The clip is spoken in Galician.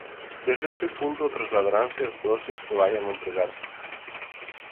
Desde ese punto trasladaranse as doses que vaian empregarse.